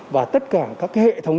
và tất cả các hệ thống